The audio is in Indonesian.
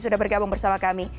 sudah bergabung bersama kami